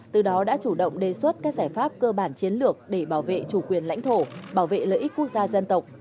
từ đó đã chủ động đề xuất các giải pháp cơ bản chiến lược để bảo vệ chủ quyền lãnh thổ bảo vệ lợi ích quốc gia dân tộc